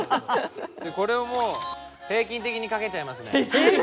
でこれをもう平均的にかけちゃいますね。